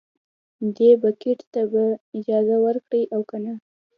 دې بیک ته به اجازه ورکړي او کنه.